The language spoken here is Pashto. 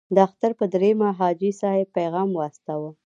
د اختر په دریمه حاجي صاحب پیغام واستاوه.